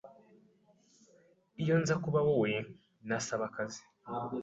Iyo nza kuba wowe, nasaba akazi.